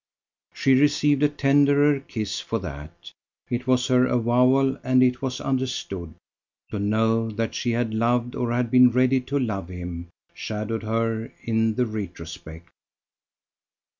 She received a tenderer kiss for that. It was her avowal, and it was understood: to know that she had loved or had been ready to love him, shadowed her in the retrospect.